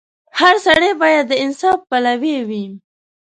• هر سړی باید د انصاف پلوی وي.